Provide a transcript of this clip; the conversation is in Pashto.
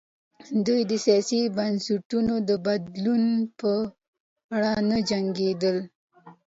دوی د سیاسي بنسټونو د بدلون په پار نه جنګېدل.